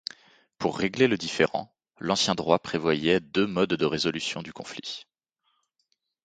Pour régler le différend, l'ancien droit prévoyait deux modes de résolution du conflit.